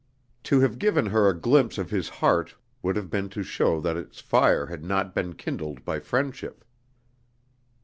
To have given her a glimpse of his heart would have been to show that its fire had not been kindled by friendship.